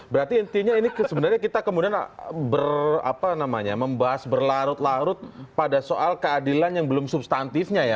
berarti intinya ini sebenarnya kita kemudian membahas berlarut larut pada soal keadilan yang belum substantifnya ya